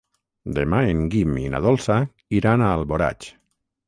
Demà en Guim i na Dolça iran a Alboraig.